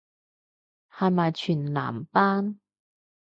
係咪全男班